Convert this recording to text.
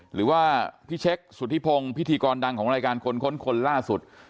หรือว่าพี่เช็คสุธิพงศ์พิธีกรดังของรายการคนค้นคนล่าสุด